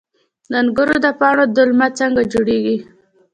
د انګورو د پاڼو دلمه څنګه جوړیږي؟